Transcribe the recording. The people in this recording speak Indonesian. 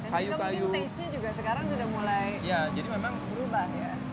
juga mungkin taste nya juga sekarang sudah mulai berubah ya